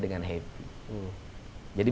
dengan happy jadi